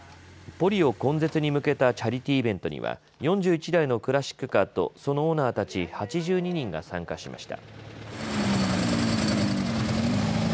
ポリオ根絶に向けたチャリティーイベントには４１台のクラシックカーとそのオーナーたち８２人が参加しました。